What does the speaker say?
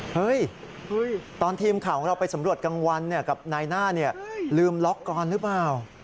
ตอนทีมข่าวของเราไปสำรวจกลางวันกับนายหน้าลืมล็อกก่อนหรือเปล่า